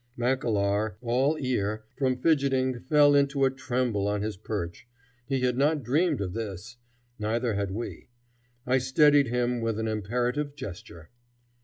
Mackellar, all ear, from fidgeting fell into a tremble on his perch. He had not dreamed of this; neither had we. I steadied him with an imperative gesture.